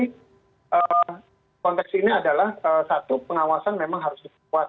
jadi konteks ini adalah satu pengawasan memang harus dikuat